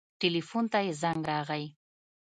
ټېلفون ته يې زنګ راغى.